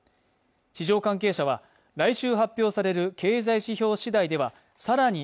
市場関係者は来週発表される経済指標しだいではさらに